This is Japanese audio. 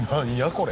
これ。